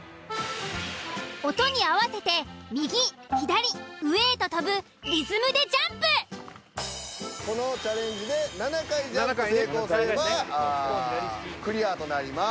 音に合わせて右左上へと跳ぶこのチャレンジで７回ジャンプ成功すればクリアとなります。